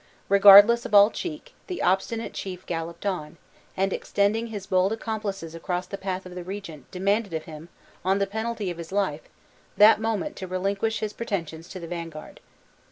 Regardless of all check, the obstinate chief galloped on, and extending his bold accomplices across the path of the regent, demanded of him, on the penalty of his life, "that moment to relinquish his pretensions to the vanguard."